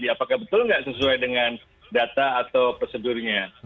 apakah betul nggak sesuai dengan data atau prosedurnya